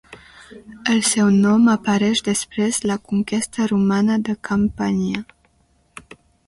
El seu nom apareix després de la conquesta romana de Campània.